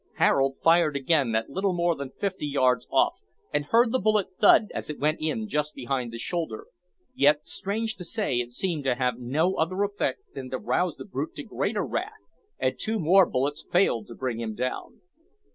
Harold fired again at little more than fifty yards off, and heard the bullet thud as it went in just behind the shoulder, yet strange to say, it seemed to have no other effect than to rouse the brute to greater wrath, and two more bullets failed to bring him down.